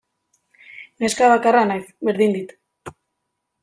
Neska bakarra naiz, berdin dit.